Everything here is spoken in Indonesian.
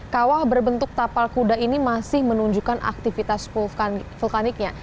kawah berbentuk tapal kuda ini masih menunjukkan aktivitas vulkaniknya